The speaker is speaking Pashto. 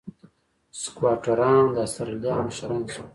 سکواټوران د اسټرالیا مشران شول.